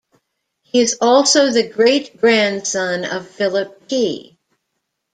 He is also the great-grandson of Philip Key.